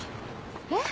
えっ？